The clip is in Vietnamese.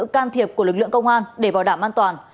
can thiệp của lực lượng công an để bảo đảm an toàn